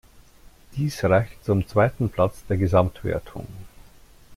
Dies reichte zum zweiten Platz der Gesamtwertung.